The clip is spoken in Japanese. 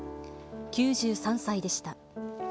９３歳でした。